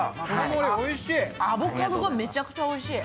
アボカドがめちゃくちゃおいしい。